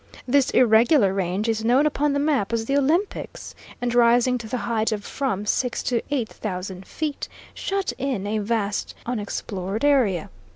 "This irregular range is known upon the map as the Olympics, and, rising to the height of from six to eight thousand feet, shut in a vast unexplored area.